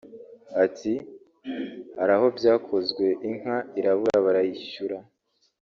Ati “Hari aho byakozwe inka irabura barayishyura